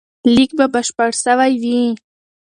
لیک به بشپړ سوی وي.